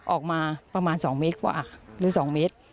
ออกมาประมาณ๒เมตรกว่าหรือ๒เมตร